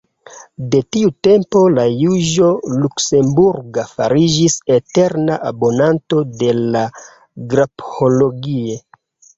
De tiu tempo la juĝo Luksemburga fariĝis eterna abonanto de la « Graphologie ».